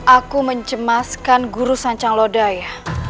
aku mencemaskan guru sancang lodaya